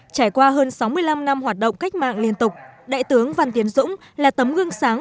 trải qua hơn sáu mươi năm năm hoạt động cách mạng liên tục đại tướng văn tiến dũng là tấm gương sáng